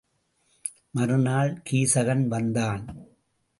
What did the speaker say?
மறுநாள் கீசகன் வந்தான்.